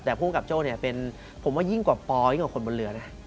แต่ภูมิกับโจ้เนี่ยเป็นผมว่ายิ่งกว่าปอยยิ่งกว่าคนบนเรือนะ